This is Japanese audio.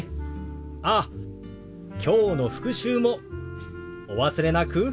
ああきょうの復習もお忘れなく。